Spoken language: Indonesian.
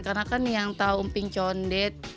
karena kan yang tahu emping condet